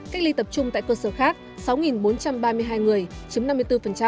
cách ly tập trung tại cơ sở khác sáu bốn trăm ba mươi hai người chiếm năm mươi bốn